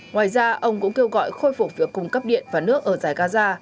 ngoài ra ông cũng kêu gọi khôi phục việc cung cấp điện và nước ở giải gaza